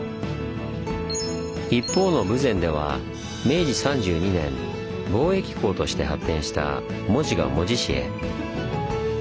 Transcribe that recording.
一方の豊前では明治３２年貿易港として発展した門司が門司市へ。